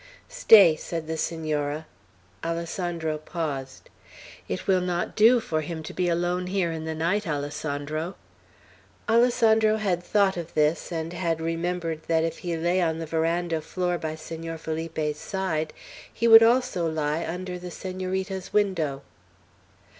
"Stay," said the Senora. Alessandro paused. "It will not do for him to be alone here in the night, Alessandro." Alessandro had thought of this, and had remembered that if he lay on the veranda floor by Senor Felipe's side, he would also lie under the Senorita's window.